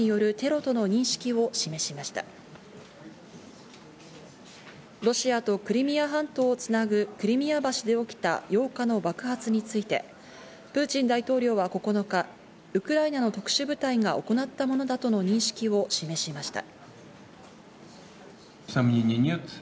ロシアとクリミア半島をつなぐクリミア橋で起きた８日の爆発について、プーチン大統領は９日、ウクライナの特殊部隊が行ったものだとの認識を示しました。